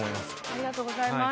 ありがとうございます